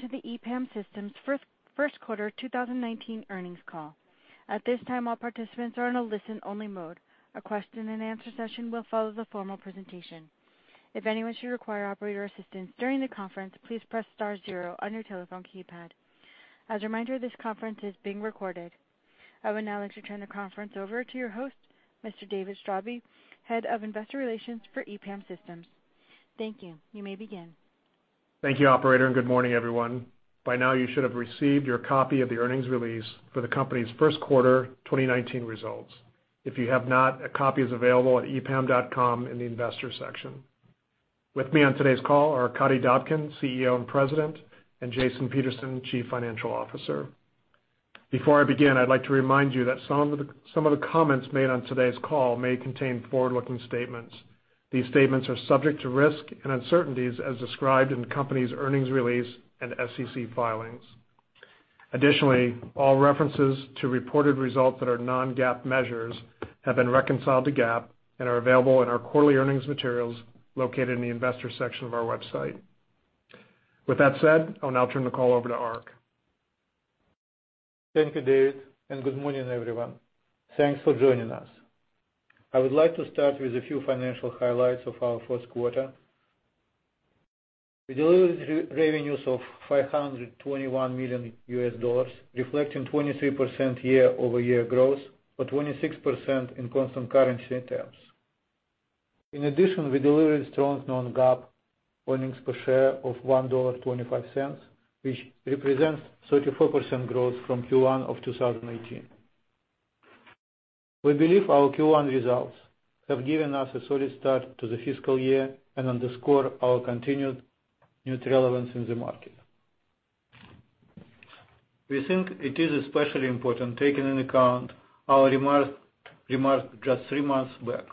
To the EPAM Systems First Quarter 2019 Earnings Call. At this time, all participants are in a listen-only mode. A question and answer session will follow the formal presentation. If anyone should require operator assistance during the conference, please press star zero on your telephone keypad. As a reminder, this conference is being recorded. I would now like to turn the conference over to your host, Mr. David Straube, Head of Investor Relations for EPAM Systems. Thank you. You may begin. Thank you operator. Good morning, everyone. By now, you should have received your copy of the earnings release for the company's first quarter 2019 results. If you have not, a copy is available at epam.com in the Investors section. With me on today's call are Arkadiy Dobkin, CEO and President, and Jason Peterson, Chief Financial Officer. Before I begin, I'd like to remind you that some of the comments made on today's call may contain forward-looking statements. These statements are subject to risk and uncertainties as described in the company's earnings release and SEC filings. Additionally, all references to reported results that are non-GAAP measures have been reconciled to GAAP and are available in our quarterly earnings materials located in the Investors section of our website. With that said, I'll now turn the call over to Ark. Thank you, David. Good morning, everyone. Thanks for joining us. I would like to start with a few financial highlights of our first quarter. We delivered revenues of $521 million U.S. dollars, reflecting 23% year-over-year growth, or 26% in constant currency terms. In addition, we delivered strong non-GAAP earnings per share of $1.25, which represents 34% growth from Q1 of 2018. We believe our Q1 results have given us a solid start to the fiscal year and underscore our continued relevance in the market. We think it is especially important, taking into account our remarks just three months back,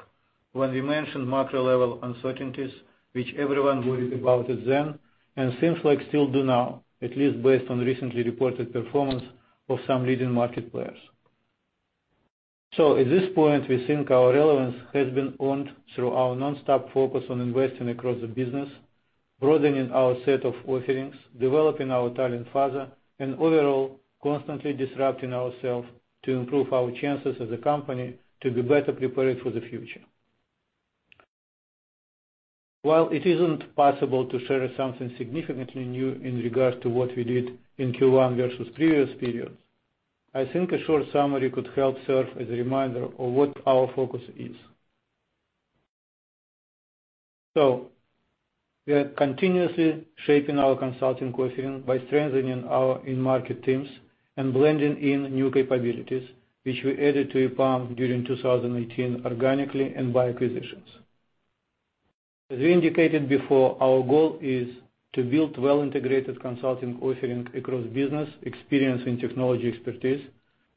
when we mentioned macro level uncertainties, which everyone worried about then, and seems like still do now, at least based on recently reported performance of some leading market players. At this point, we think our relevance has been earned through our nonstop focus on investing across the business, broadening our set of offerings, developing our talent farther, and overall, constantly disrupting ourselves to improve our chances as a company to be better prepared for the future. While it isn't possible to share something significantly new in regard to what we did in Q1 versus previous periods, I think a short summary could help serve as a reminder of what our focus is. We are continuously shaping our consulting offering by strengthening our in-market teams and blending in new capabilities, which we added to EPAM during 2018, organically and by acquisitions. As we indicated before, our goal is to build well-integrated consulting offering across business experience and technology expertise,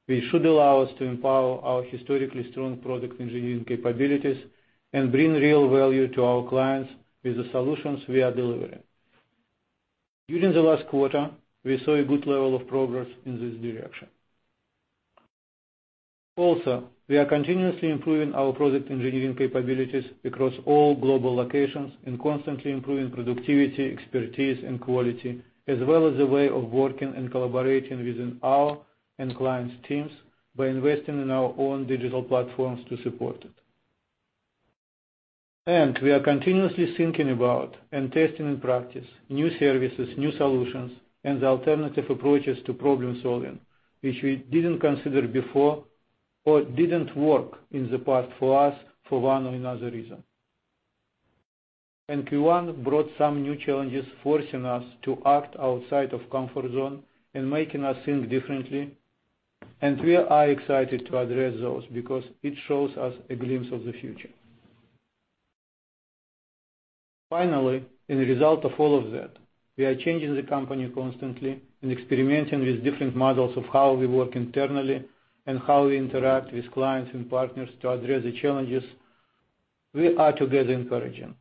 which should allow us to empower our historically strong product engineering capabilities and bring real value to our clients with the solutions we are delivering. During the last quarter, we saw a good level of progress in this direction. Also, we are continuously improving our product engineering capabilities across all global locations and constantly improving productivity, expertise and quality, as well as the way of working and collaborating within our and clients' teams by investing in our own digital platforms to support it. We are continuously thinking about and testing in practice, new services, new solutions, and the alternative approaches to problem-solving, which we didn't consider before or didn't work in the past for us for one or another reason. Q1 brought some new challenges, forcing us to act outside of comfort zone and making us think differently. We are excited to address those because it shows us a glimpse of the future. Finally, in the result of all of that, we are changing the company constantly and experimenting with different models of how we work internally and how we interact with clients and partners to address the challenges we are together encouraging,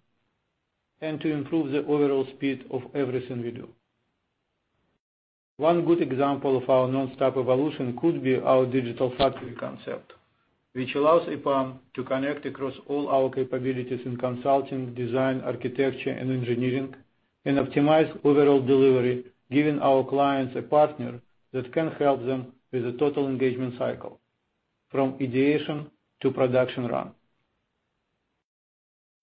and to improve the overall speed of everything we do. One good example of our nonstop evolution could be our digital factory concept, which allows EPAM to connect across all our capabilities in consulting, design, architecture, and engineering, and optimize overall delivery, giving our clients a partner that can help them with the total engagement cycle from ideation to production run.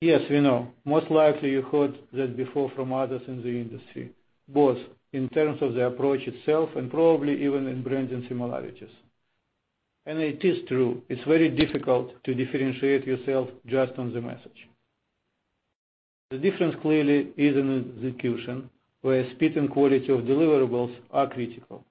Yes, we know. Most likely you heard that before from others in the industry, both in terms of the approach itself and probably even in branding similarities. It is true, it's very difficult to differentiate yourself just on the message. The difference clearly is in execution, where speed and quality of deliverables are critical.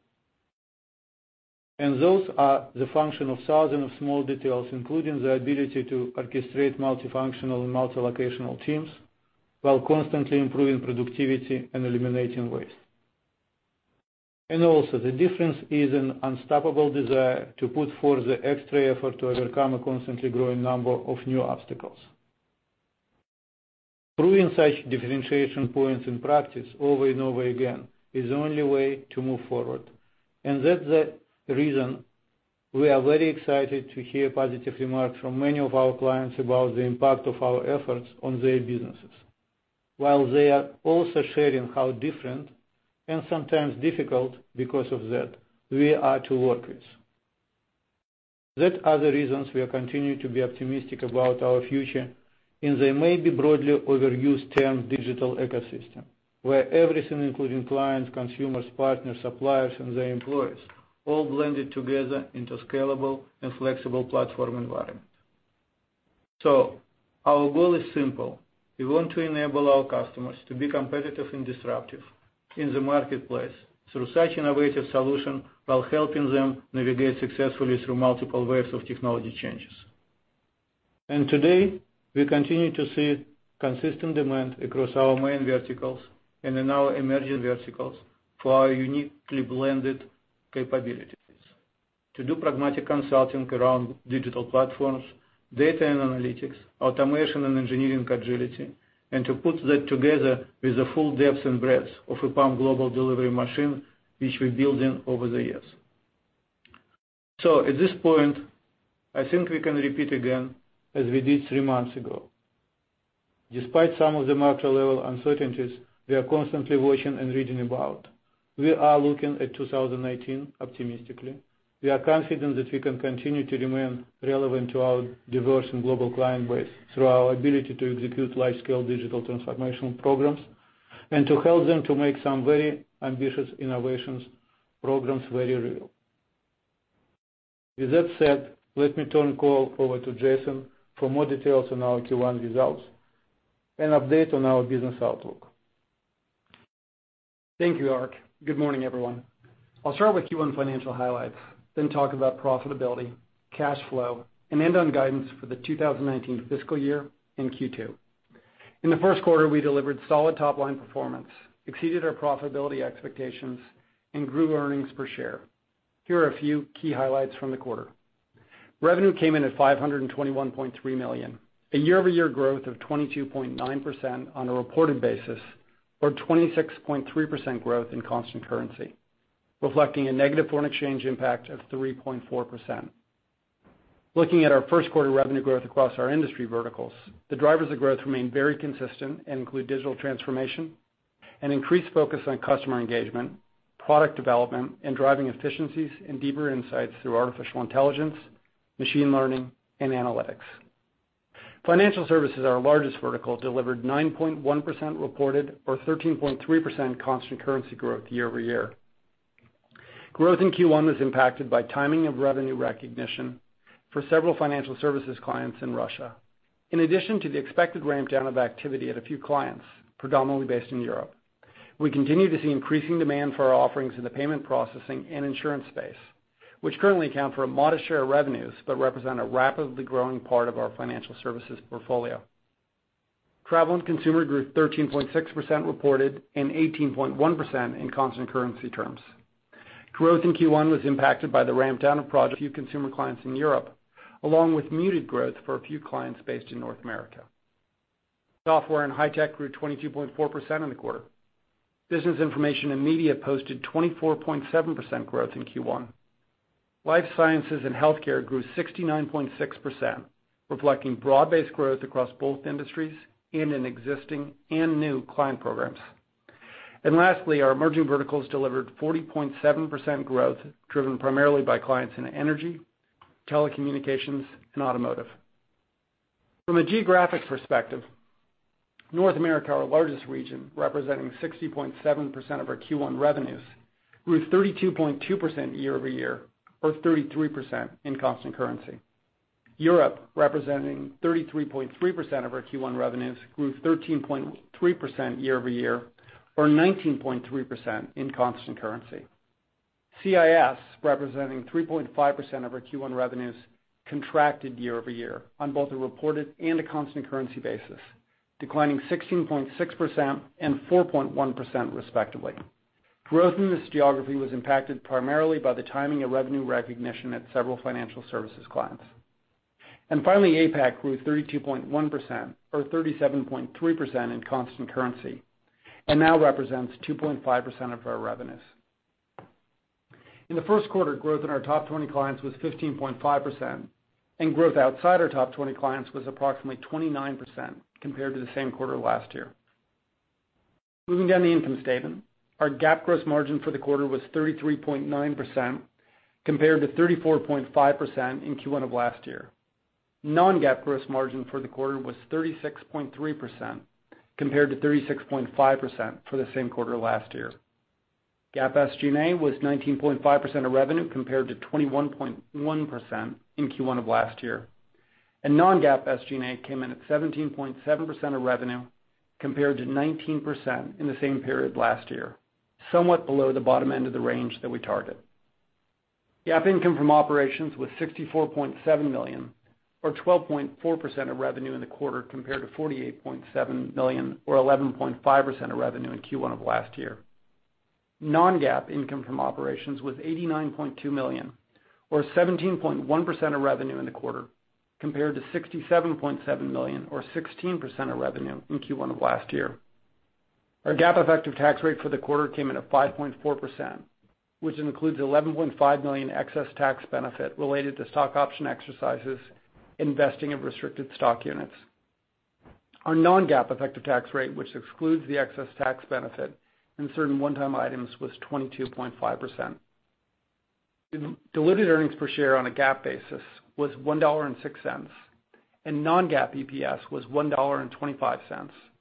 Those are the function of thousands of small details, including the ability to orchestrate multifunctional and multi-locational teams while constantly improving productivity and eliminating waste. Also, the difference is an unstoppable desire to put forth the extra effort to overcome a constantly growing number of new obstacles. Proving such differentiation points in practice over and over again is the only way to move forward. That's the reason we are very excited to hear positive remarks from many of our clients about the impact of our efforts on their businesses, while they are also sharing how different, and sometimes difficult because of that, we are to work with. That are the reasons we are continuing to be optimistic about our future in the maybe broadly overused term digital ecosystem, where everything including clients, consumers, partners, suppliers, and their employees all blended together into scalable and flexible platform environment. Our goal is simple. We want to enable our customers to be competitive and disruptive in the marketplace through such innovative solution, while helping them navigate successfully through multiple waves of technology changes. Today, we continue to see consistent demand across our main verticals and in our emerging verticals for our uniquely blended capabilities. To do pragmatic consulting around digital platforms, data and analytics, automation and engineering agility, and to put that together with the full depth and breadth of EPAM global delivery machine, which we're building over the years. At this point, I think we can repeat again, as we did three months ago. Despite some of the macro level uncertainties we are constantly watching and reading about, we are looking at 2019 optimistically. We are confident that we can continue to remain relevant to our diverse and global client base through our ability to execute large-scale digital transformational programs and to help them to make some very ambitious innovations programs very real. With that said, let me turn call over to Jason for more details on our Q1 results and update on our business outlook. Thank you, Ark. Good morning, everyone. I'll start with Q1 financial highlights, then talk about profitability, cash flow, and end on guidance for the 2019 fiscal year in Q2. In the first quarter, we delivered solid top-line performance, exceeded our profitability expectations, and grew earnings per share. Here are a few key highlights from the quarter. Revenue came in at $521.3 million, a year-over-year growth of 22.9% on a reported basis, or 26.3% growth in constant currency, reflecting a negative foreign exchange impact of 3.4%. Looking at our first quarter revenue growth across our industry verticals, the drivers of growth remain very consistent and include digital transformation, an increased focus on customer engagement, product development, and driving efficiencies and deeper insights through artificial intelligence, machine learning, and analytics. Financial services, our largest vertical, delivered 9.1% reported or 13.3% constant currency growth year-over-year. Growth in Q1 was impacted by timing of revenue recognition for several financial services clients in Russia, in addition to the expected ramp down of activity at a few clients predominantly based in Europe. We continue to see increasing demand for our offerings in the payment processing and insurance space, which currently account for a modest share of revenues but represent a rapidly growing part of our financial services portfolio. Travel and consumer grew 13.6% reported and 18.1% in constant currency terms. Growth in Q1 was impacted by the ramp down of projects with a few consumer clients in Europe, along with muted growth for a few clients based in North America. Software and high tech grew 22.4% in the quarter. Business information and media posted 24.7% growth in Q1. Life sciences and healthcare grew 69.6%, reflecting broad-based growth across both industries and in existing and new client programs. Lastly, our emerging verticals delivered 40.7% growth, driven primarily by clients in energy, telecommunications, and automotive. From a geographic perspective, North America, our largest region, representing 60.7% of our Q1 revenues, grew 32.2% year-over-year or 33% in constant currency. Europe, representing 33.3% of our Q1 revenues, grew 13.3% year-over-year or 19.3% in constant currency. CIS, representing 3.5% of our Q1 revenues, contracted year-over-year on both a reported and a constant currency basis, declining 16.6% and 4.1% respectively. Growth in this geography was impacted primarily by the timing of revenue recognition at several financial services clients. Finally, APAC grew 32.1%, or 37.3% in constant currency and now represents 2.5% of our revenues. In the first quarter, growth in our top 20 clients was 15.5%, and growth outside our top 20 clients was approximately 29% compared to the same quarter last year. Moving down the income statement, our GAAP gross margin for the quarter was 33.9% compared to 34.5% in Q1 of last year. Non-GAAP gross margin for the quarter was 36.3% compared to 36.5% for the same quarter last year. GAAP SG&A was 19.5% of revenue compared to 21.1% in Q1 of last year. Non-GAAP SG&A came in at 17.7% of revenue compared to 19% in the same period last year, somewhat below the bottom end of the range that we target. GAAP income from operations was $64.7 million, or 12.4% of revenue in the quarter compared to $48.7 million or 11.5% of revenue in Q1 of last year. Non-GAAP income from operations was $89.2 million, or 17.1% of revenue in the quarter compared to $67.7 million or 16% of revenue in Q1 of last year. Our GAAP effective tax rate for the quarter came in at 5.4%, which includes $11.5 million excess tax benefit related to stock option exercises, investing in restricted stock units. Our non-GAAP effective tax rate, which excludes the excess tax benefit and certain one-time items, was 22.5%. Diluted earnings per share on a GAAP basis was $1.06, and non-GAAP EPS was $1.25,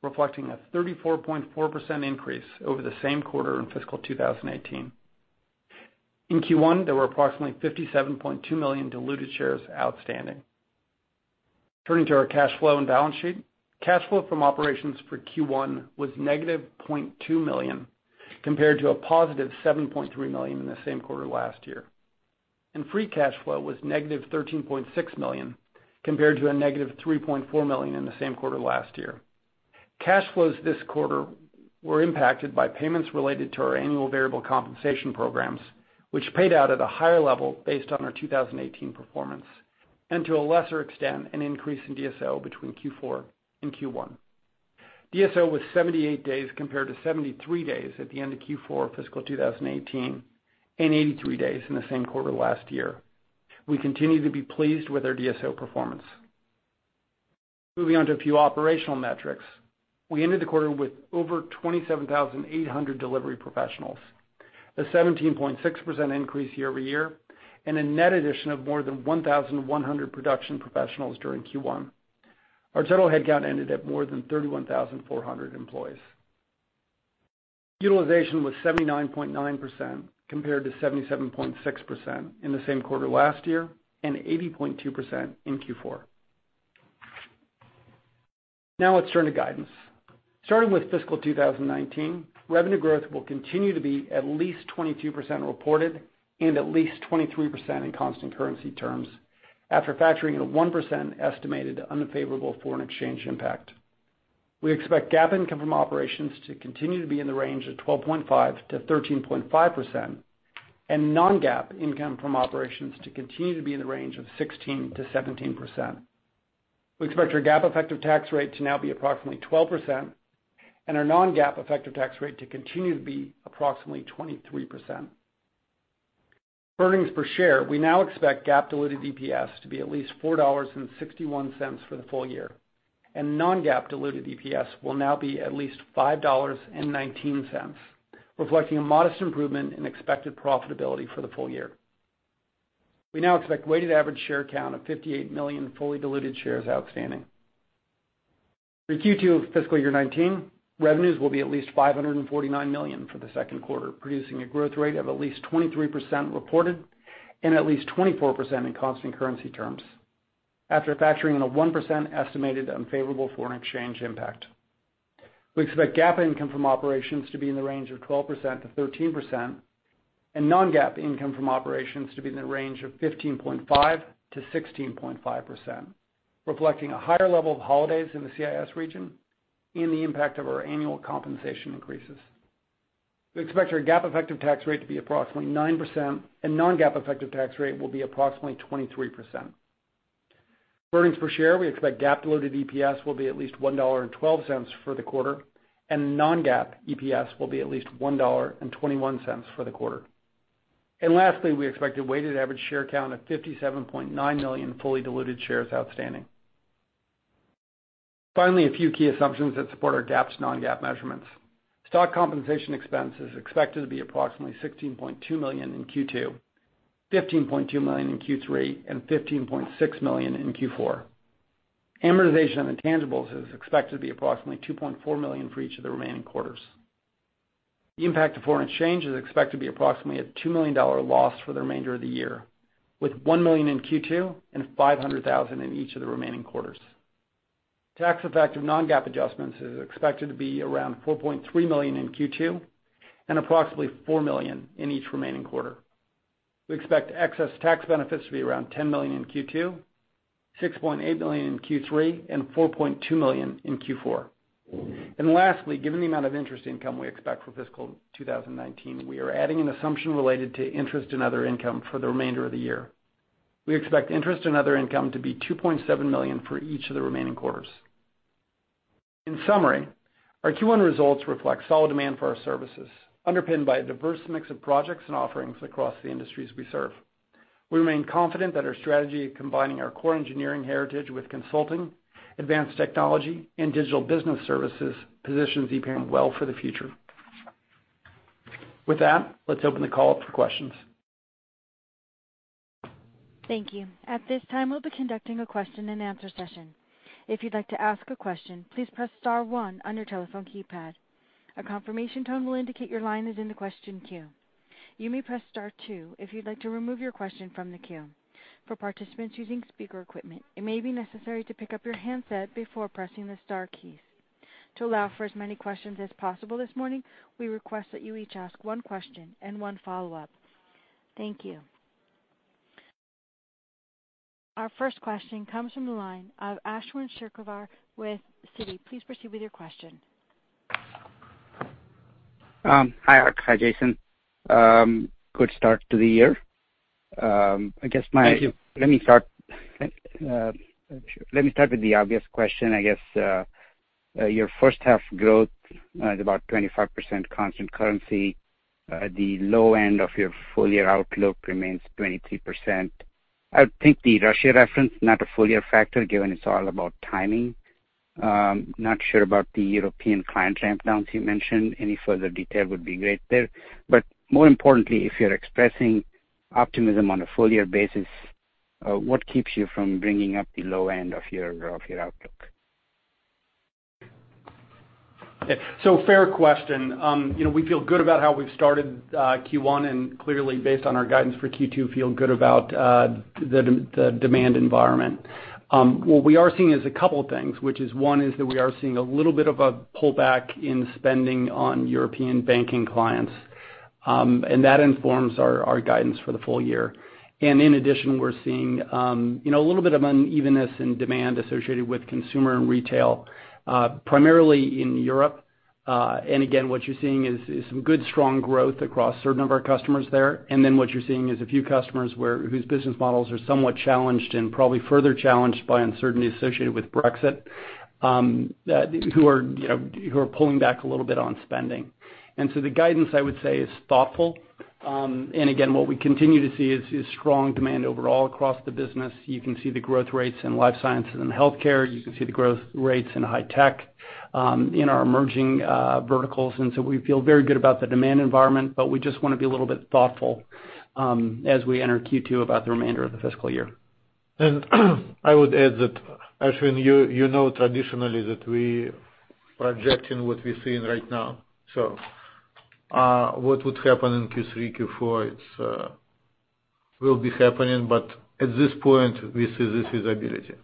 reflecting a 34.4% increase over the same quarter in fiscal 2018. In Q1, there were approximately 57.2 million diluted shares outstanding. Turning to our cash flow and balance sheet. Cash flow from operations for Q1 was -$0.2 million, compared to a +$7.3 million in the same quarter last year. Free cash flow was -$13.6 million, compared to a -$3.4 million in the same quarter last year. Cash flows this quarter were impacted by payments related to our annual variable compensation programs, which paid out at a higher level based on our 2018 performance, and to a lesser extent, an increase in DSO between Q4 and Q1. DSO was 78 days compared to 73 days at the end of Q4 fiscal 2018 and 83 days in the same quarter last year. We continue to be pleased with our DSO performance. Moving on to a few operational metrics. We ended the quarter with over 27,800 delivery professionals, a 17.6% increase year-over-year, and a net addition of more than 1,100 production professionals during Q1. Our total headcount ended at more than 31,400 employees. Utilization was 79.9%, compared to 77.6% in the same quarter last year and 80.2% in Q4. Now let's turn to guidance. Starting with fiscal 2019, revenue growth will continue to be at least 22% reported and at least 23% in constant currency terms, after factoring in a 1% estimated unfavorable foreign exchange impact. We expect GAAP income from operations to continue to be in the range of 12.5%-13.5% and non-GAAP income from operations to continue to be in the range of 16%-17%. We expect our GAAP effective tax rate to now be approximately 12% and our non-GAAP effective tax rate to continue to be approximately 23%. For earnings per share, we now expect GAAP diluted EPS to be at least $4.61 for the full year, and non-GAAP diluted EPS will now be at least $5.19, reflecting a modest improvement in expected profitability for the full year. We now expect weighted average share count of 58 million fully diluted shares outstanding. For Q2 of fiscal year 2019, revenues will be at least $549 million for the second quarter, producing a growth rate of at least 23% reported and at least 24% in constant currency terms, after factoring in a 1% estimated unfavorable foreign exchange impact. We expect GAAP Income from Operations to be in the range of 12%-13% and non-GAAP Income from Operations to be in the range of 15.5%-16.5%, reflecting a higher level of holidays in the CIS region and the impact of our annual compensation increases. We expect our GAAP effective tax rate to be approximately 9%, and non-GAAP effective tax rate will be approximately 23%. For earnings per share, we expect GAAP diluted EPS will be at least $1.12 for the quarter, and non-GAAP EPS will be at least $1.21 for the quarter. Lastly, we expect a weighted average share count of 57.9 million fully diluted shares outstanding. Finally, a few key assumptions that support our GAAP to non-GAAP measurements. Stock compensation expense is expected to be approximately $16.2 million in Q2, $15.2 million in Q3, and $15.6 million in Q4. Amortization on intangibles is expected to be approximately $2.4 million for each of the remaining quarters. The impact of foreign exchange is expected to be approximately a $2 million loss for the remainder of the year, with $1 million in Q2 and $500,000 in each of the remaining quarters. Tax effect of non-GAAP adjustments is expected to be around $4.3 million in Q2 and approximately $4 million in each remaining quarter. We expect excess tax benefits to be around $10 million in Q2, $6.8 million in Q3, and $4.2 million in Q4. Lastly, given the amount of interest income we expect for fiscal 2019, we are adding an assumption related to interest and other income for the remainder of the year. We expect interest and other income to be $2.7 million for each of the remaining quarters. In summary, our Q1 results reflect solid demand for our services, underpinned by a diverse mix of projects and offerings across the industries we serve. We remain confident that our strategy of combining our core engineering heritage with consulting, advanced technology, and digital business services positions EPAM well for the future. With that, let's open the call up for questions. Thank you. At this time, we'll be conducting a question and answer session. If you'd like to ask a question, please press star one on your telephone keypad. A confirmation tone will indicate your line is in the question queue. You may press star two if you'd like to remove your question from the queue. For participants using speaker equipment, it may be necessary to pick up your handset before pressing the star keys. To allow for as many questions as possible this morning, we request that you each ask one question and one follow-up. Thank you. Our first question comes from the line of Ashwin Shirvaikar with Citi. Please proceed with your question. Hi, Ark. Hi, Jason. Good start to the year. Thank you. Let me start with the obvious question, I guess. Your first half growth at about 25% constant currency, the low end of your full-year outlook remains 23%. I would think the Russia reference, not a full-year factor, given it's all about timing. Not sure about the European client ramp downs you mentioned. Any further detail would be great there. More importantly, if you're expressing optimism on a full-year basis, what keeps you from bringing up the low end of your outlook? Okay. Fair question. We feel good about how we've started Q1, and clearly based on our guidance for Q2, feel good about the demand environment. What we are seeing is a couple of things, which is one, is that we are seeing a little bit of a pullback in spending on European banking clients, and that informs our guidance for the full-year. In addition, we're seeing a little bit of unevenness in demand associated with consumer and retail, primarily in Europe. Again, what you're seeing is some good strong growth across a certain number of customers there. Then what you're seeing is a few customers whose business models are somewhat challenged and probably further challenged by uncertainty associated with Brexit, who are pulling back a little bit on spending. The guidance, I would say, is thoughtful. What we continue to see is strong demand overall across the business. You can see the growth rates in life sciences and healthcare. You can see the growth rates in high tech, in our emerging verticals. We feel very good about the demand environment, but we just want to be a little bit thoughtful as we enter Q2 about the remainder of the fiscal year. I would add that, Ashwin, you know traditionally that we are projecting what we're seeing right now. What would happen in Q3, Q4 will be happening, but at this point, we see this visibility.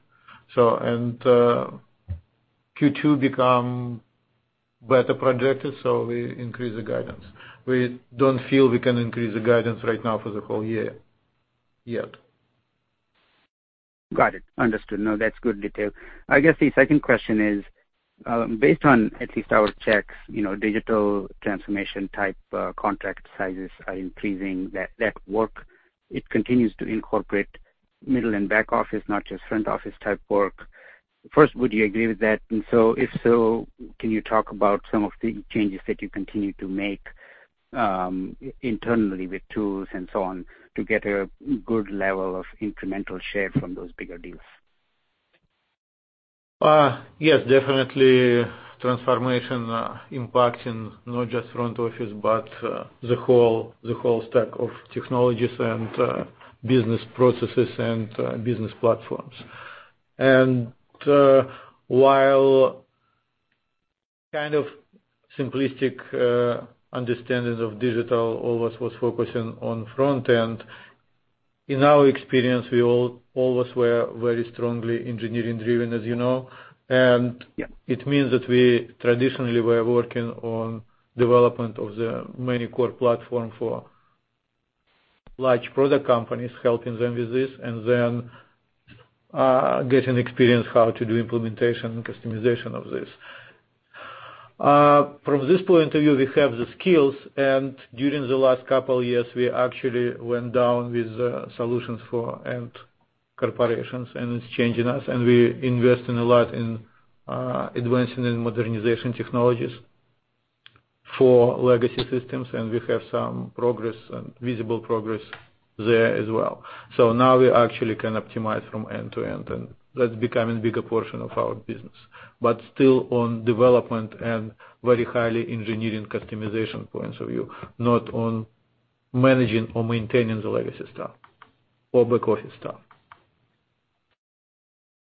Q2 become better projected, so we increase the guidance. We don't feel we can increase the guidance right now for the whole year yet. Got it. Understood. No, that's good detail. I guess the second question is based on at least our checks, digital transformation type contract sizes are increasing that work. It continues to incorporate middle and back office, not just front office type work. First, would you agree with that? If so, can you talk about some of the changes that you continue to make internally with tools and so on to get a good level of incremental share from those bigger deals? Yes, definitely transformation impacting not just front office, but the whole stack of technologies and business processes and business platforms. While kind of simplistic understanding of digital always was focusing on front end, in our experience, we always were very strongly engineering driven, as you know. Yeah. It means that we traditionally were working on development of the many core platform for large product companies, helping them with this, and then getting experience how to do implementation and customization of this. From this point of view, we have the skills, and during the last couple years, we actually went down with solutions for end corporations, and it's changing us. We invest in a lot in advancing in modernization technologies for legacy systems, and we have some progress and visible progress there as well. Now we actually can optimize from end to end, and that's becoming bigger portion of our business. Still on development and very highly engineering customization points of view, not on managing or maintaining the legacy stuff or back office stuff.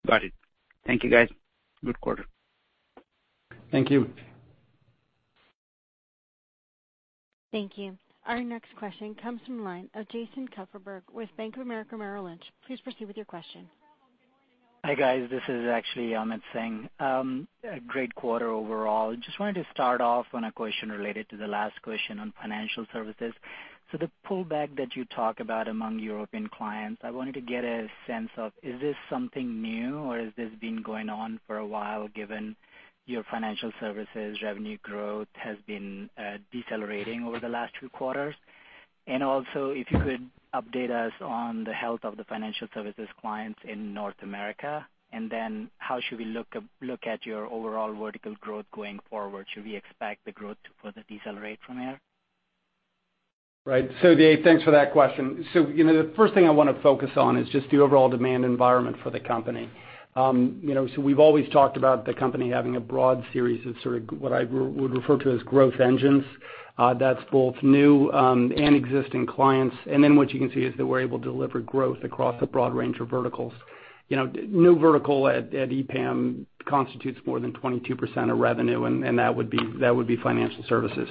Got it. Thank you, guys. Good quarter. Thank you. Thank you. Our next question comes from the line of Jason Kupferberg with Bank of America Merrill Lynch. Please proceed with your question. Hi, guys. This is actually Paramveer Singh. Great quarter overall. Just wanted to start off on a question related to the last question on financial services. The pullback that you talk about among European clients, I wanted to get a sense of, is this something new or has this been going on for a while, given your financial services revenue growth has been decelerating over the last two quarters? If you could update us on the health of the financial services clients in North America, how should we look at your overall vertical growth going forward? Should we expect the growth to further decelerate from here? Right. Ahmed, thanks for that question. The first thing I want to focus on is just the overall demand environment for the company. We've always talked about the company having a broad series of sort of what I would refer to as growth engines. That's both new and existing clients. What you can see is that we're able to deliver growth across a broad range of verticals. No vertical at EPAM constitutes more than 22% of revenue, and that would be financial services.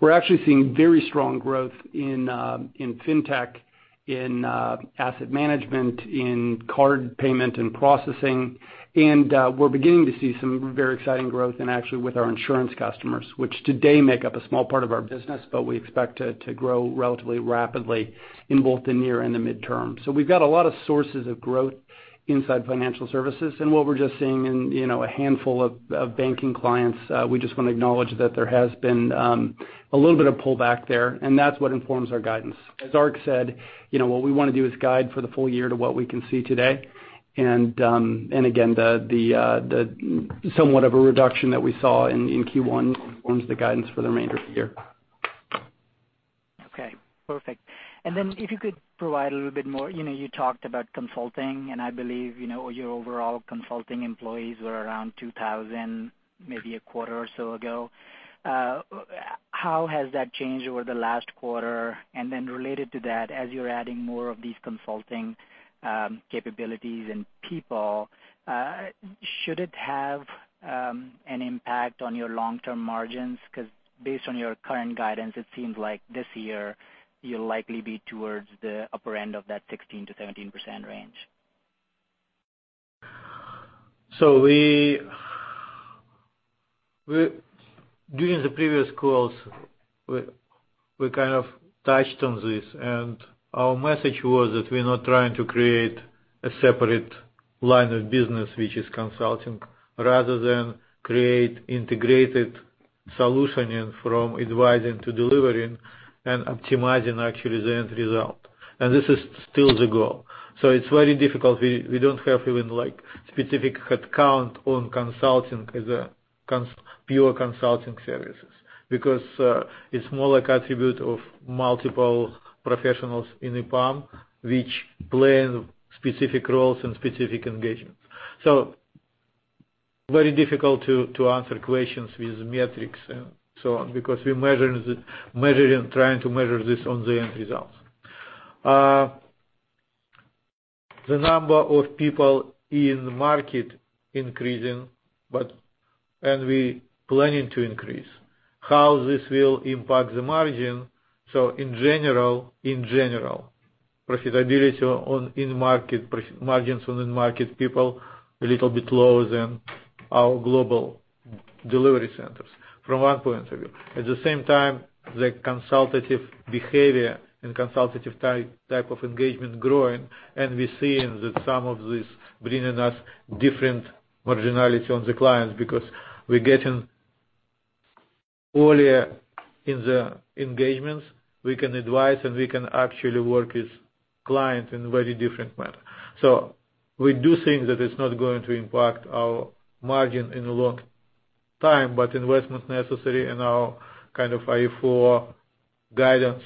We're actually seeing very strong growth in FinTech, in asset management, in card payment and processing. We're beginning to see some very exciting growth and actually with our insurance customers, which today make up a small part of our business, but we expect to grow relatively rapidly in both the near and the midterm. We've got a lot of sources of growth inside financial services. What we're just seeing in a handful of banking clients, we just want to acknowledge that there has been a little bit of pullback there, and that's what informs our guidance. As Ark said, what we want to do is guide for the full year to what we can see today. The somewhat of a reduction that we saw in Q1 informs the guidance for the remainder of the year. Okay, perfect. If you could provide a little bit more, you talked about consulting, and I believe, your overall consulting employees were around 2,000 maybe a quarter or so ago. How has that changed over the last quarter? Related to that, as you're adding more of these consulting capabilities and people, should it have an impact on your long-term margins? Because based on your current guidance, it seems like this year you'll likely be towards the upper end of that 16%-17% range. During the previous calls, we touched on this. Our message was that we're not trying to create a separate line of business, which is consulting, rather than create integrated solutioning from advising to delivering and optimizing actually the end result. This is still the goal. It's very difficult. We don't have even specific headcount on consulting as a pure consulting services because it's more like attribute of multiple professionals in EPAM, which play specific roles and specific engagements. Very difficult to answer questions with metrics and so on because we're trying to measure this on the end results. The number of people in the market increasing. We planning to increase. How this will impact the margin? In general, profitability on in-market, margins on in-market people a little bit lower than our global delivery centers from one point of view. At the same time, the consultative behavior and consultative type of engagement growing. We're seeing that some of this bringing us different marginality on the clients because we're getting earlier in the engagements, we can advise, and we can actually work with clients in very different manner. We do think that it's not going to impact our margin in the long time, but investment necessary in our kind of IFO guidance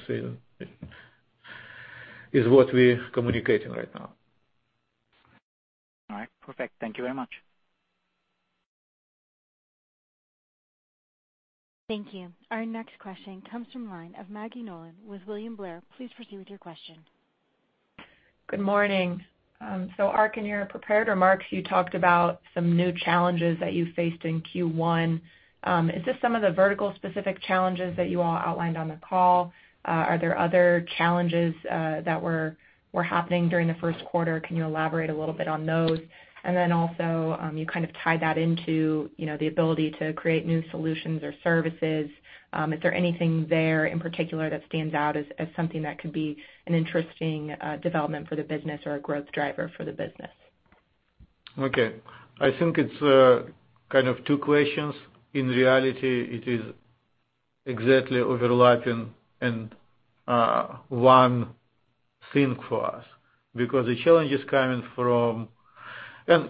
is what we're communicating right now. All right. Perfect. Thank you very much. Thank you. Our next question comes from line of Maggie Nolan with William Blair. Please proceed with your question. Good morning. Ark, in your prepared remarks, you talked about some new challenges that you faced in Q1. Is this some of the vertical specific challenges that you all outlined on the call? Are there other challenges that were happening during the first quarter? Can you elaborate a little bit on those? Also, you tied that into the ability to create new solutions or services. Is there anything there in particular that stands out as something that could be an interesting development for the business or a growth driver for the business? Okay. I think it's two questions. In reality, it is exactly overlapping in one thing for us, because the challenges coming from.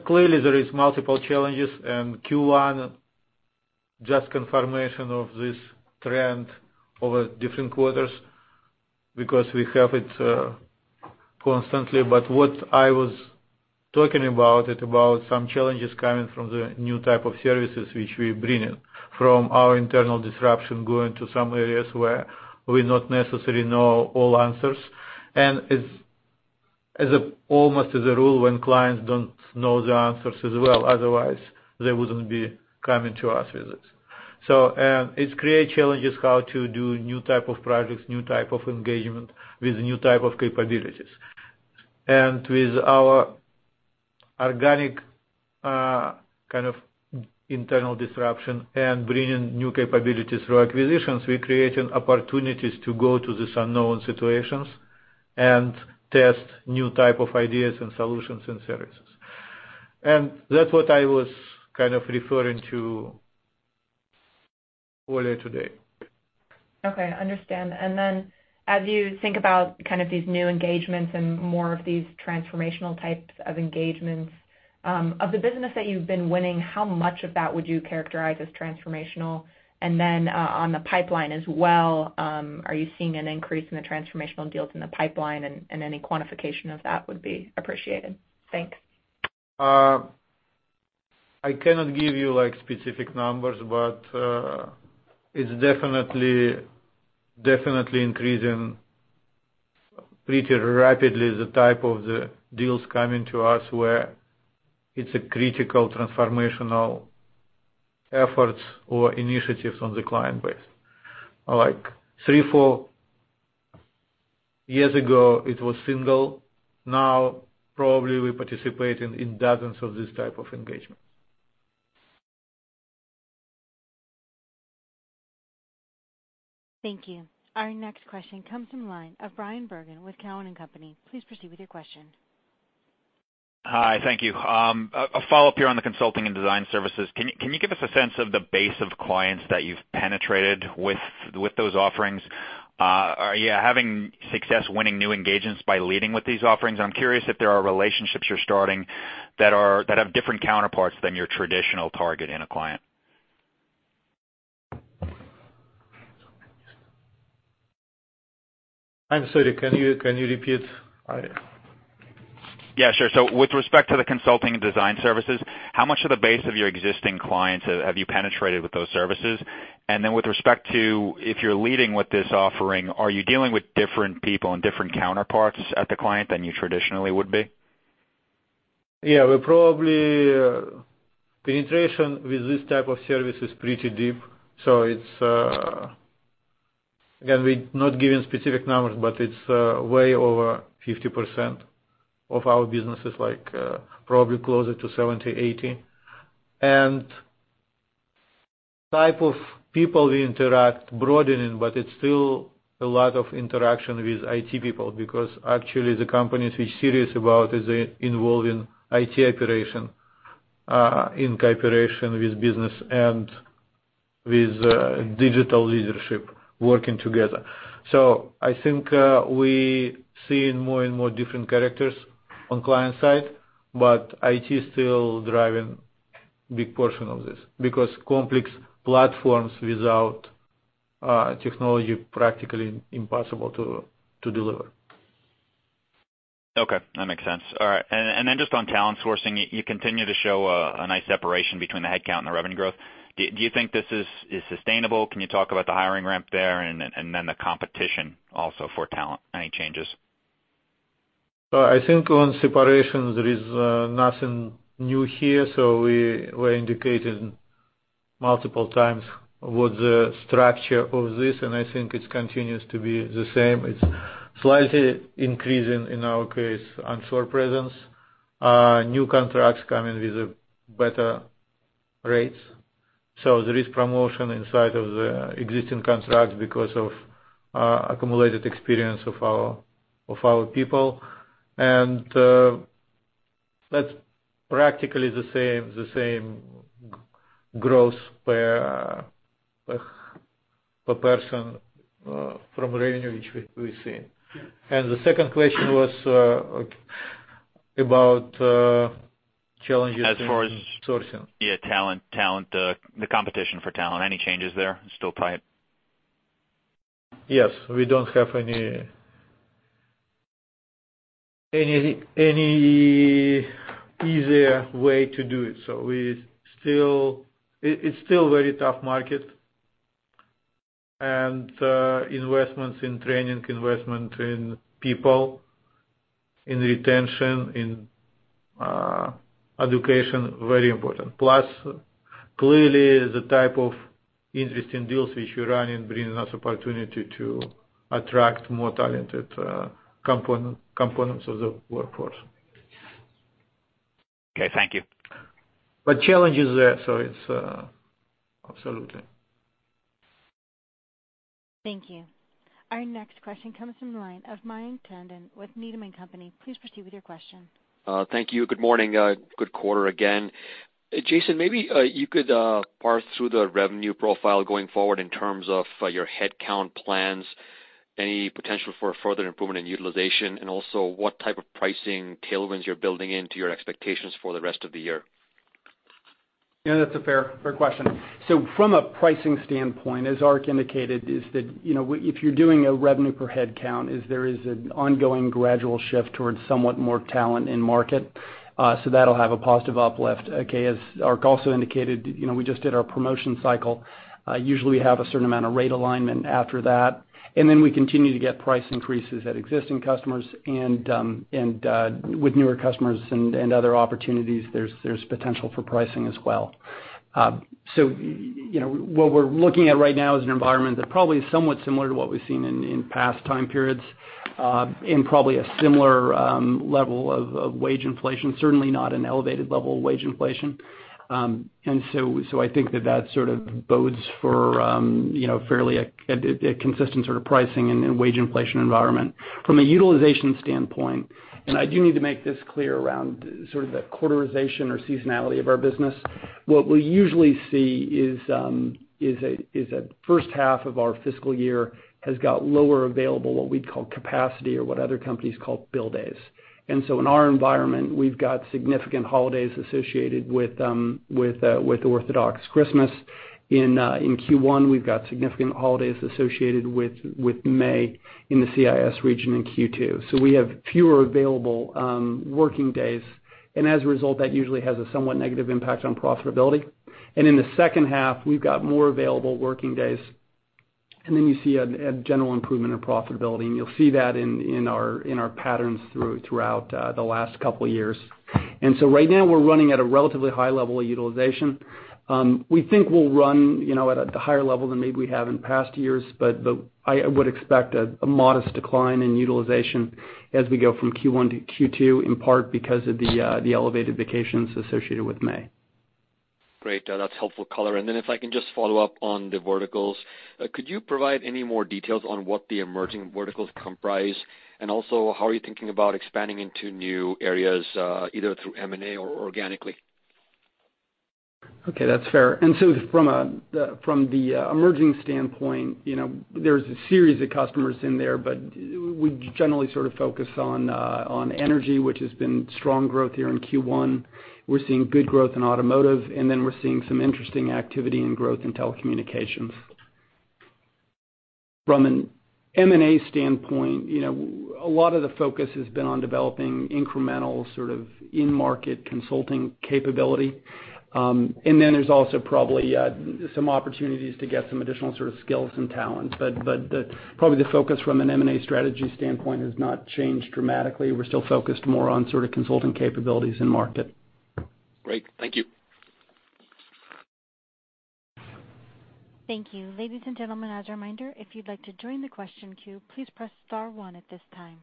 Clearly there is multiple challenges in Q1, just confirmation of this trend over different quarters because we have it constantly. What I was talking about, it about some challenges coming from the new type of services which we bringing from our internal disruption going to some areas where we not necessarily know all answers. It's almost as a rule when clients don't know the answers as well, otherwise they wouldn't be coming to us with it. It create challenges how to do new type of projects, new type of engagement with new type of capabilities. With our organic internal disruption and bringing new capabilities through acquisitions, we're creating opportunities to go to these unknown situations and test new type of ideas and solutions and services. That's what I was referring to earlier today. Okay, understand. As you think about these new engagements and more of these transformational types of engagements, of the business that you've been winning, how much of that would you characterize as transformational? On the pipeline as well, are you seeing an increase in the transformational deals in the pipeline, and any quantification of that would be appreciated. Thanks. I cannot give you specific numbers, but it's definitely increasing pretty rapidly, the type of the deals coming to us where it's a critical transformational efforts or initiatives on the client base. Three, four years ago, it was single. Now, probably we're participating in dozens of this type of engagement. Thank you. Our next question comes from line of Bryan Bergin with Cowen and Company. Please proceed with your question. Hi. Thank you. A follow-up here on the consulting and design services. Can you give us a sense of the base of clients that you've penetrated with those offerings? Are you having success winning new engagements by leading with these offerings? I'm curious if there are relationships you're starting that have different counterparts than your traditional target in a client. I'm sorry, can you repeat? Yeah, sure. With respect to the consulting and design services, how much of the base of your existing clients have you penetrated with those services? With respect to if you're leading with this offering, are you dealing with different people and different counterparts at the client than you traditionally would be? Yeah. Probably, penetration with this type of service is pretty deep. Again, we're not giving specific numbers, but it's way over 50% of our businesses, like probably closer to 70%, 80%. Type of people we interact broadening, but it's still a lot of interaction with IT people because actually the companies we serious about is involving IT operation, in cooperation with business and with digital leadership working together. I think we're seeing more and more different characters on client side, but IT is still driving big portion of this because complex platforms without technology, practically impossible to deliver. Okay, that makes sense. All right. Just on talent sourcing, you continue to show a nice separation between the headcount and the revenue growth. Do you think this is sustainable? Can you talk about the hiring ramp there and then the competition also for talent? Any changes? I think on separation, there is nothing new here. We indicated multiple times what the structure of this, I think it continues to be the same. It's slightly increasing in our case on shore presence. New contracts coming with better rates. There is promotion inside of the existing contracts because of accumulated experience of our people. That's practically the same growth per person from revenue, which we've seen. The second question was about challenges in sourcing. Yeah, talent. The competition for talent. Any changes there? It's still tight? Yes. We don't have any easier way to do it. It's still very tough market. Investments in training, investment in people, in retention, in education, very important. Clearly, the type of interesting deals which we're running brings us opportunity to attract more talented components of the workforce. Okay, thank you. Challenge is there. Thank you. Our next question comes from the line of Mayank Tandon with Needham & Company. Please proceed with your question. Thank you. Good morning. Good quarter again. Jason, maybe you could parse through the revenue profile going forward in terms of your headcount plans, any potential for further improvement in utilization, and also what type of pricing tailwinds you're building into your expectations for the rest of the year? Yeah, that's a fair question. From a pricing standpoint, as Ark indicated, if you're doing a revenue per headcount, there is an ongoing gradual shift towards somewhat more talent in market. That'll have a positive uplift. Okay. As Ark also indicated, we just did our promotion cycle. Usually, we have a certain amount of rate alignment after that. Then we continue to get price increases at existing customers and with newer customers and other opportunities, there's potential for pricing as well. What we're looking at right now is an environment that probably is somewhat similar to what we've seen in past time periods, in probably a similar level of wage inflation, certainly not an elevated level of wage inflation. I think that sort of bodes for fairly a consistent sort of pricing and wage inflation environment. From a utilization standpoint, I do need to make this clear around sort of the quarterization or seasonality of our business. What we usually see is a first half of our fiscal year has got lower available, what we'd call capacity or what other companies call bill days. In our environment, we've got significant holidays associated with Orthodox Christmas in Q1. We've got significant holidays associated with May in the CIS region in Q2. We have fewer available working days, and as a result, that usually has a somewhat negative impact on profitability. In the second half, we've got more available working days, and then you see a general improvement in profitability, and you'll see that in our patterns throughout the last couple of years. Right now we're running at a relatively high level of utilization. We think we'll run at a higher level than maybe we have in past years, but I would expect a modest decline in utilization as we go from Q1 to Q2, in part because of the elevated vacations associated with May. Great. That's helpful color. If I can just follow up on the verticals. Could you provide any more details on what the emerging verticals comprise? How are you thinking about expanding into new areas, either through M&A or organically? Okay, that's fair. From the emerging standpoint, there's a series of customers in there, but we generally sort of focus on energy, which has been strong growth here in Q1. We're seeing good growth in automotive, and then we're seeing some interesting activity and growth in telecommunications. From an M&A standpoint, a lot of the focus has been on developing incremental sort of in-market consulting capability. There's also probably some opportunities to get some additional sort of skills and talents. Probably the focus from an M&A strategy standpoint has not changed dramatically. We're still focused more on sort of consulting capabilities in market. Great. Thank you. Thank you. Ladies and gentlemen, as a reminder, if you'd like to join the question queue, please press star one at this time.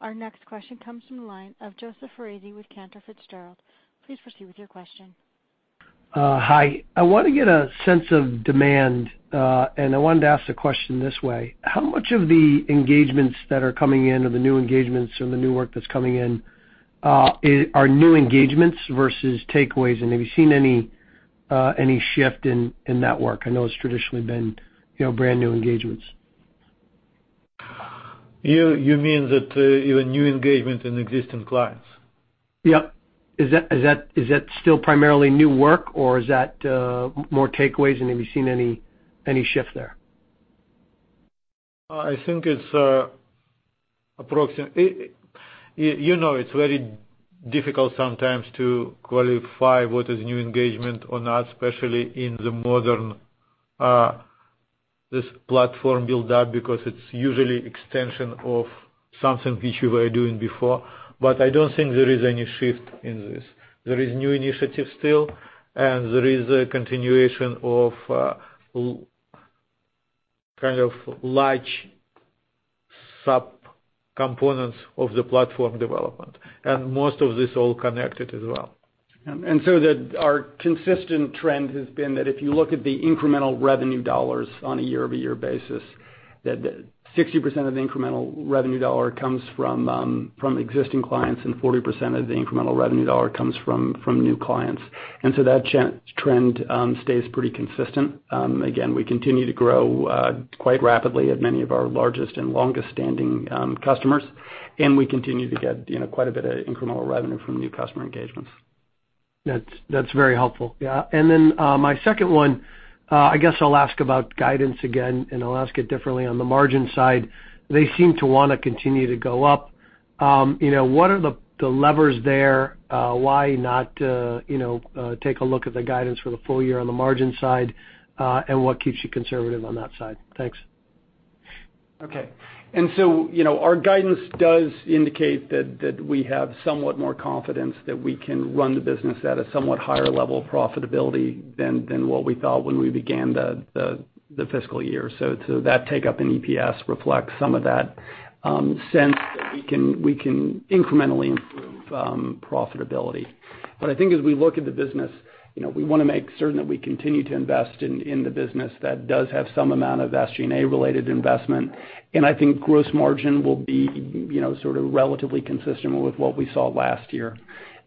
Our next question comes from the line of Joseph Foresi with Cantor Fitzgerald. Please proceed with your question. Hi. I want to get a sense of demand. I wanted to ask the question this way. How much of the engagements that are coming in, or the new engagements or the new work that's coming in, are new engagements versus takeaways? Have you seen any shift in that work? I know it's traditionally been brand-new engagements. You mean that even new engagement in existing clients? Yep. Is that still primarily new work, or is that more takeaways? Have you seen any shift there? I think it's approximate. You know it's very difficult sometimes to qualify what is new engagement or not, especially in the modern, this platform build-up, because it's usually extension of something which you were doing before. I don't think there is any shift in this. There is new initiatives still, and there is a continuation of kind of large sub-components of the platform development. Most of this all connected as well. That our consistent trend has been that if you look at the incremental revenue dollars on a year-over-year basis, that 60% of the incremental revenue dollar comes from existing clients, and 40% of the incremental revenue dollar comes from new clients. That trend stays pretty consistent. Again, we continue to grow quite rapidly at many of our largest and longest-standing customers, and we continue to get quite a bit of incremental revenue from new customer engagements. That's very helpful. Yeah. My second one, I guess I'll ask about guidance again, and I'll ask it differently. On the margin side, they seem to want to continue to go up. What are the levers there? Why not take a look at the guidance for the full year on the margin side? What keeps you conservative on that side? Thanks. Okay. Our guidance does indicate that we have somewhat more confidence that we can run the business at a somewhat higher level of profitability than what we thought when we began the fiscal year. That take-up in EPS reflects some of that sense that we can incrementally improve profitability. I think as we look at the business, we want to make certain that we continue to invest in the business that does have some amount of SG&A-related investment. I think gross margin will be sort of relatively consistent with what we saw last year.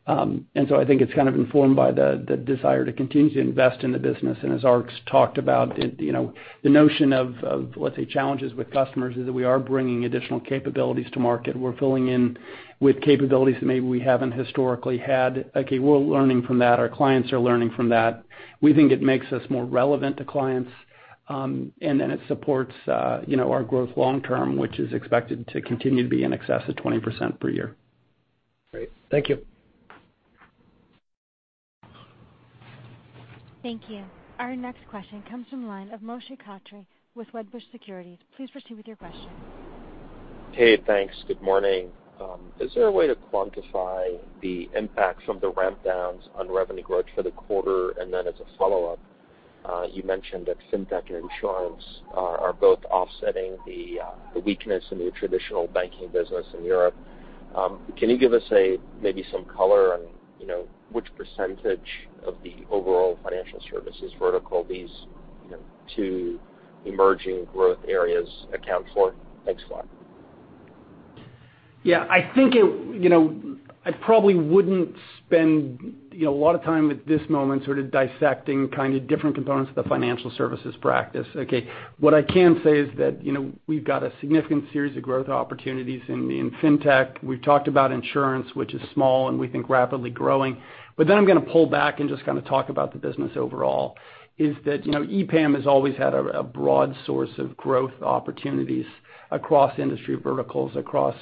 I think it's kind of informed by the desire to continue to invest in the business. As Ark's talked about it, the notion of, let's say, challenges with customers is that we are bringing additional capabilities to market. We're filling in with capabilities that maybe we haven't historically had. Okay, we're learning from that. Our clients are learning from that. We think it makes us more relevant to clients, and then it supports our growth long term, which is expected to continue to be in excess of 20% per year. Great. Thank you. Thank you. Our next question comes from the line of Moshe Katri with Wedbush Securities. Please proceed with your question. Hey, thanks. Good morning. Is there a way to quantify the impact from the ramp downs on revenue growth for the quarter? As a follow-up, you mentioned that FinTech and insurance are both offsetting the weakness in the traditional banking business in Europe. Can you give us maybe some color on which % of the overall financial services vertical these two emerging growth areas account for? Thanks a lot. I think I probably wouldn't spend a lot of time at this moment sort of dissecting kind of different components of the financial services practice. Okay. What I can say is that we've got a significant series of growth opportunities in FinTech. We've talked about insurance, which is small and we think rapidly growing. I'm going to pull back and just kind of talk about the business overall, is that EPAM has always had a broad source of growth opportunities across industry verticals, across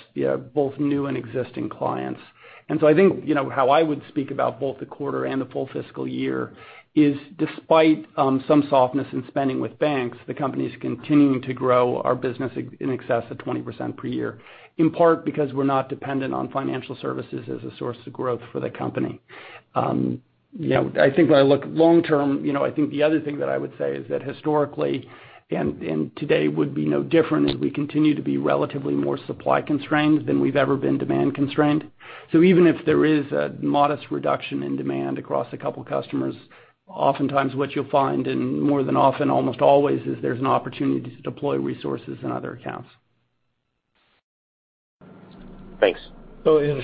both new and existing clients. I think how I would speak about both the quarter and the full fiscal year is despite some softness in spending with banks, the company's continuing to grow our business in excess of 20% per year, in part because we're not dependent on financial services as a source of growth for the company. I think when I look long term, I think the other thing that I would say is that historically, and today would be no different as we continue to be relatively more supply constrained than we've ever been demand constrained. Even if there is a modest reduction in demand across a couple of customers, oftentimes what you'll find, and more than often, almost always, is there's an opportunity to deploy resources in other accounts. Thanks. In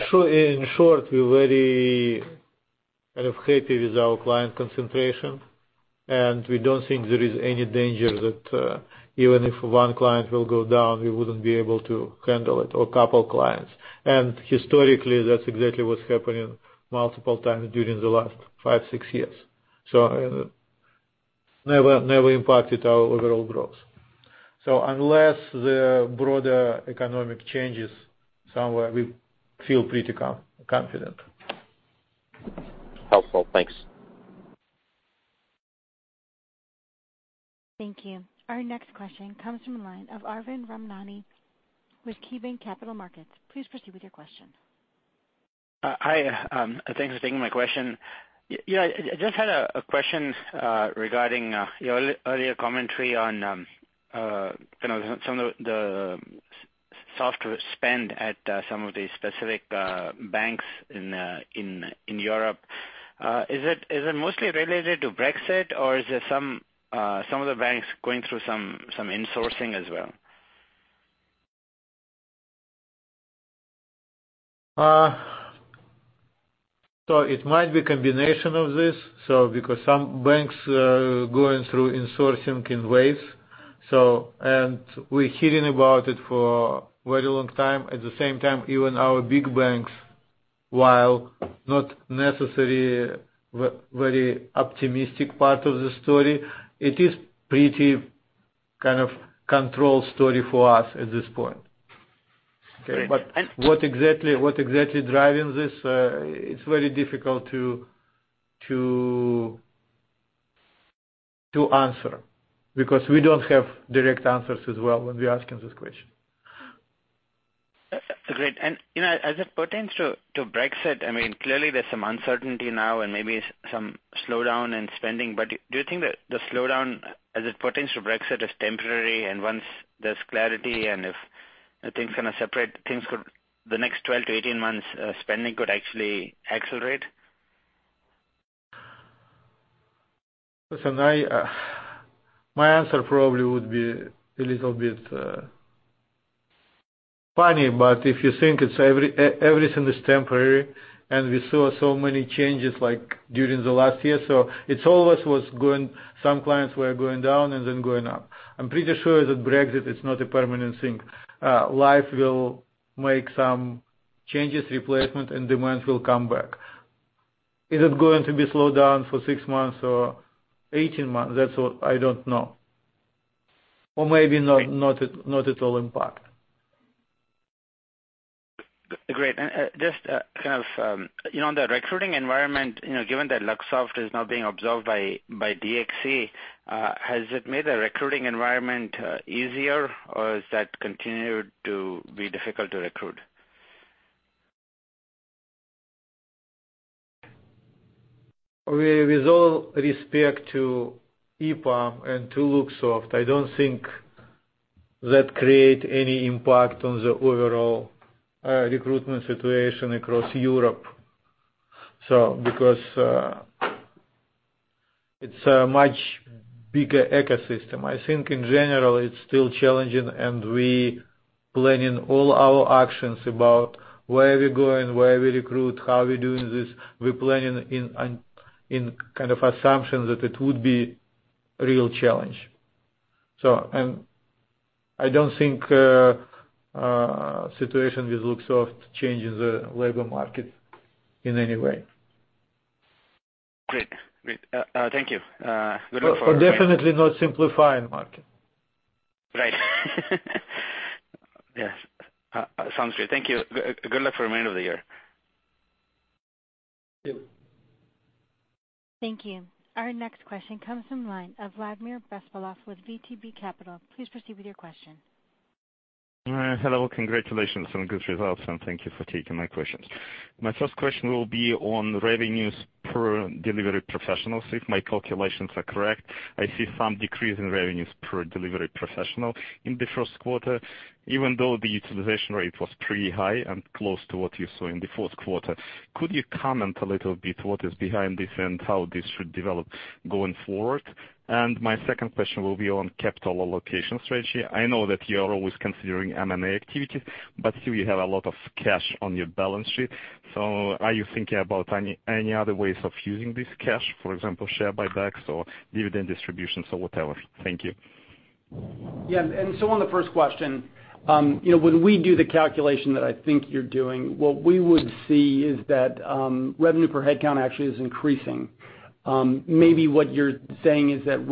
short, we're very happy with our client concentration, and we don't think there is any danger that even if one client will go down, we wouldn't be able to handle it or a couple clients. Historically, that's exactly what's happening multiple times during the last five, six years. Never impacted our overall growth. Unless there are broader economic changes somewhere, we feel pretty confident. Helpful. Thanks. Thank you. Our next question comes from the line of Arvind Ramnani with KeyBanc Capital Markets. Please proceed with your question. Hi, thanks for taking my question. I just had a question regarding your earlier commentary on some of the software spend at some of the specific banks in Europe. Is it mostly related to Brexit, or is it some of the banks going through some insourcing as well? It might be a combination of this, because some banks are going through insourcing in waves, and we're hearing about it for a very long time. At the same time, even our big banks, while not necessarily very optimistic part of the story, it is pretty controlled story for us at this point. Great. What exactly driving this, it's very difficult to answer because we don't have direct answers as well when we ask them this question. Great. As it pertains to Brexit, clearly there's some uncertainty now and maybe some slowdown in spending, but do you think that the slowdown as it pertains to Brexit is temporary, and once there's clarity and if things separate, things could the next 12-18 months, spending could actually accelerate? Listen, my answer probably would be a little bit funny, but if you think everything is temporary, and we saw so many changes during the last year, so it's always some clients were going down and then going up. I'm pretty sure that Brexit is not a permanent thing. Life will make some changes, replacement, and demands will come back. Is it going to be slowed down for six months or 18 months? That's what I don't know. Maybe not at all impact. Great. Just on the recruiting environment, given that Luxoft is now being absorbed by DXC, has it made the recruiting environment easier, or has that continued to be difficult to recruit? With all respect to EPAM and to Luxoft, I don't think that create any impact on the overall recruitment situation across Europe. It's a much bigger ecosystem. I think in general, it's still challenging, and we planning all our actions about where we're going, where we recruit, how we're doing this. We're planning in assumption that it would be a real challenge. I don't think situation with Luxoft changes the labor market in any way. Great. Thank you. Good luck. Definitely not simplifying market. Right. Yes. Sounds good. Thank you. Good luck for the remainder of the year. Thank you. Thank you. Our next question comes from the line of Vladimir Bespalov with VTB Capital. Please proceed with your question. Hello. Congratulations on good results, and thank you for taking my questions. My first question will be on revenues per delivery professionals. If my calculations are correct, I see some decrease in revenues per delivery professional in the first quarter, even though the utilization rate was pretty high and close to what you saw in the fourth quarter. Could you comment a little bit what is behind this and how this should develop going forward? My second question will be on capital allocation strategy. I know that you are always considering M&A activities, but still you have a lot of cash on your balance sheet. Are you thinking about any other ways of using this cash, for example, share buybacks or dividend distributions or whatever? Thank you. Yeah. On the first question, when we do the calculation that I think you're doing, what we would see is that revenue per head count actually is increasing. Maybe what you're saying is that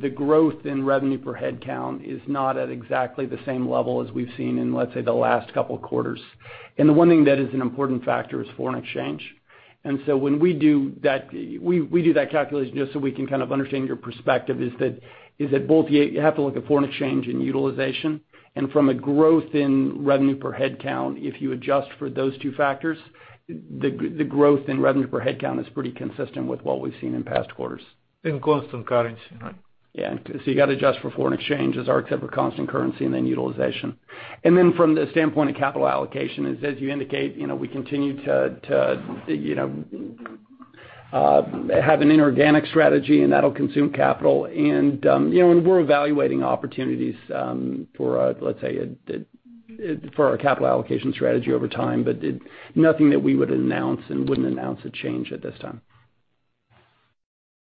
the growth in revenue per head count is not at exactly the same level as we've seen in, let's say, the last couple of quarters. The one thing that is an important factor is foreign exchange. When we do that calculation, just so we can understand your perspective, is that both you have to look at foreign exchange and utilization, and from a growth in revenue per head count, if you adjust for those two factors, the growth in revenue per head count is pretty consistent with what we've seen in past quarters. In constant currency, right? You got to adjust for foreign exchange as our type of constant currency and then utilization. From the standpoint of capital allocation is, as you indicate, we continue to have an inorganic strategy, and that'll consume capital. We're evaluating opportunities for, let's say, for our capital allocation strategy over time, but nothing that we would announce and wouldn't announce a change at this time.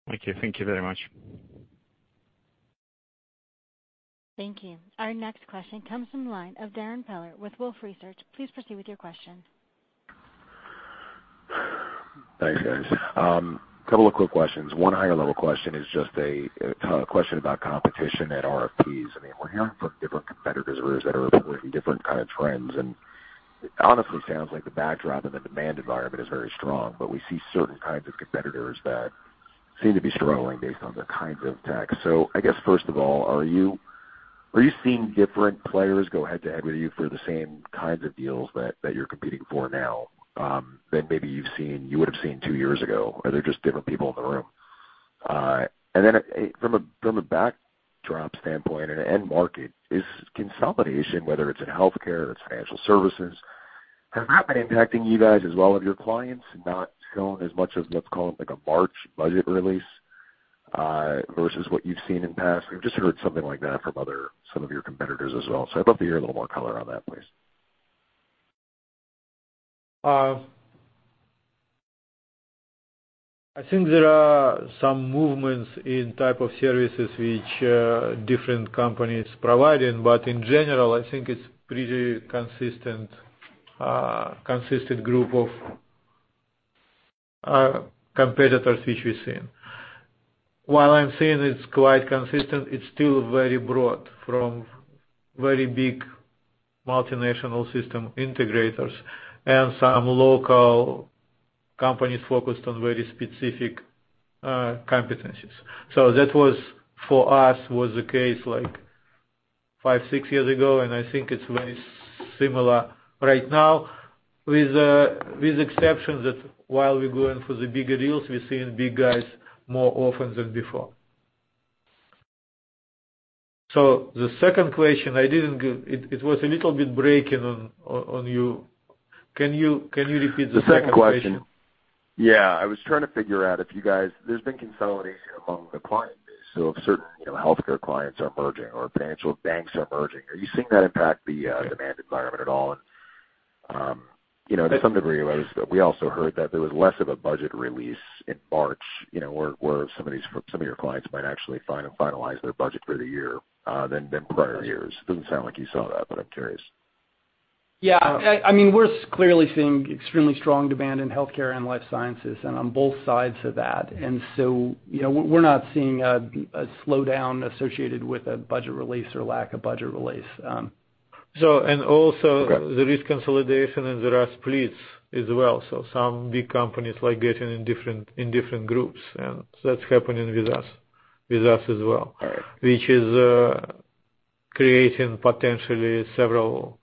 Thank you. Thank you very much. Thank you. Our next question comes from the line of Darrin Peller with Wolfe Research. Please proceed with your question. Thanks, guys. Couple of quick questions. One higher level question is just a question about competition at RFPs. I mean, we're hearing from different competitors that are reporting different kind of trends, and honestly sounds like the backdrop of the demand environment is very strong, but we see certain kinds of competitors that seem to be struggling based on the kinds of tech. I guess first of all, are you seeing different players go head to head with you for the same kinds of deals that you're competing for now than maybe you would've seen two years ago? Are there just different people in the room? From a backdrop standpoint and end market, is consolidation, whether it's in healthcare or it's Financial Services, has that been impacting you guys as well of your clients not showing as much as, let's call it, like a March budget release, versus what you've seen in past? We've just heard something like that from some of your competitors as well. I'd love to hear a little more color on that, please. I think there are some movements in type of services which different companies providing. In general, I think it's pretty consistent group of competitors which we're seeing. While I'm seeing it's quite consistent, it's still very broad, from very big multinational system integrators and some local companies focused on very specific competencies. That, for us, was the case like five, six years ago, and I think it's very similar right now, with exception that while we're going for the bigger deals, we're seeing big guys more often than before. The second question, it was a little bit breaking on you. Can you repeat the second question? The second question. Yeah. I was trying to figure out if you guys There's been consolidation among the client base. If certain healthcare clients are merging or financial banks are merging, are you seeing that impact the demand environment at all? To some degree, we also heard that there was less of a budget release in March, where some of your clients might actually finalize their budget for the year, than prior years. Doesn't sound like you saw that, but I'm curious. Yeah. We're clearly seeing extremely strong demand in healthcare and life sciences, and on both sides of that. We're not seeing a slowdown associated with a budget release or lack of budget release. So, and also- Okay There is consolidation and there are splits as well. Some big companies like getting in different groups, that's happening with us as well. All right. Which is creating potentially several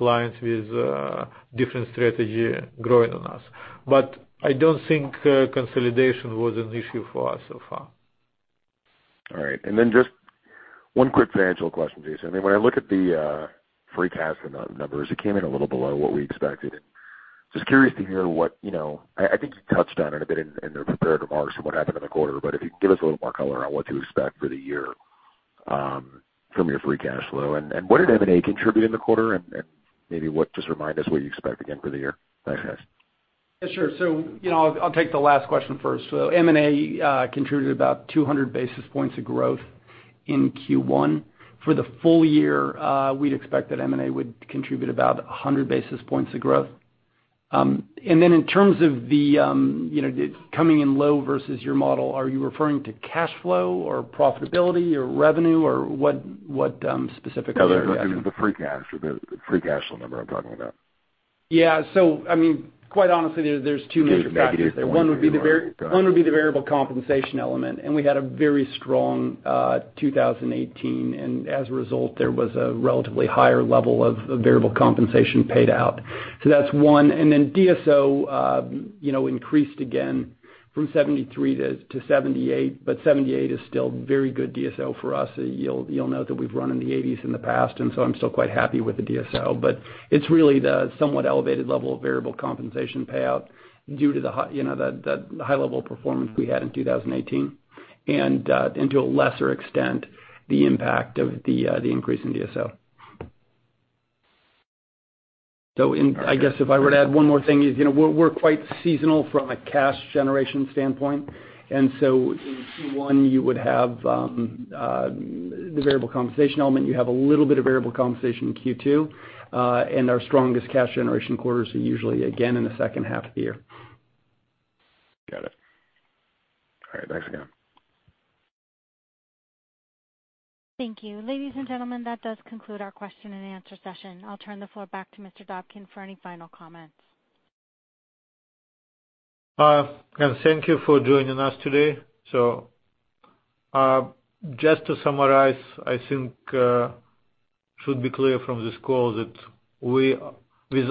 clients with different strategy growing on us. I don't think consolidation was an issue for us so far. All right. Just one quick financial question, Jason. When I look at the free cash amount numbers, it came in a little below what we expected. Just curious to hear what I think you touched on it a bit in the prepared remarks and what happened in the quarter, but if you could give us a little more color on what to expect for the year from your free cash flow. What did M&A contribute in the quarter, and maybe just remind us what you expect again for the year? Thanks, guys. Yeah, sure. I'll take the last question first. M&A contributed about 200 basis points of growth in Q1. For the full year, we'd expect that M&A would contribute about 100 basis points of growth. In terms of the coming in low versus your model, are you referring to cash flow or profitability or revenue or what specifically are you referring to? No, the free cash flow number, I'm talking about. Yeah. Quite honestly, there's two major factors there. Negative 20. Got it. One would be the variable compensation element. We had a very strong 2018, and as a result, there was a relatively higher level of variable compensation paid out. That's one. DSO increased again from 73 to 78, but 78 is still very good DSO for us. You'll note that we've run in the 80s in the past, and so I'm still quite happy with the DSO. It's really the somewhat elevated level of variable compensation payout due to the high level performance we had in 2018, and to a lesser extent, the impact of the increase in DSO. I guess if I were to add one more thing is, we're quite seasonal from a cash generation standpoint. In Q1, you would have the variable compensation element. You have a little bit of variable compensation in Q2. Our strongest cash generation quarters are usually again in the second half of the year. Got it. All right. Thanks again. Thank you. Ladies and gentlemen, that does conclude our question and answer session. I'll turn the floor back to Mr. Dobkin for any final comments. Thank you for joining us today. Just to summarize, I think it should be clear from this call that with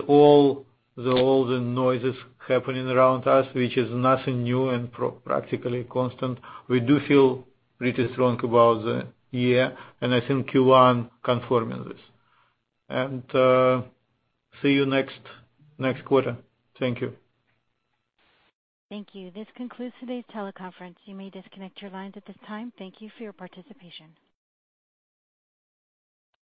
all the noises happening around us, which is nothing new and practically constant, we do feel pretty strong about the year, and I think Q1 confirming this. See you next quarter. Thank you. Thank you. This concludes today's teleconference. You may disconnect your lines at this time. Thank you for your participation.